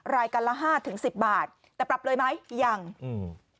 รายการละห้าถึงสิบบาทแต่ปรับเลยไหมยังอืม